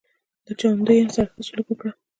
له چاونډیانو سره ښه سلوک وکړه.